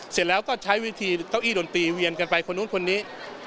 เสร็จแล้วก็ใช้วิธีเก้าอี้ดนตรีเวียนกันไปคนนู้นคนนี้